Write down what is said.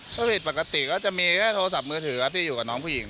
ถ้าผิดปกติก็จะมีแค่โทรศัพท์มือถือที่อยู่กับน้องผู้หญิง